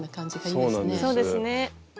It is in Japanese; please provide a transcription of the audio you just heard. そうですね。